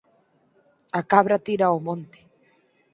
A cabra tira ao monte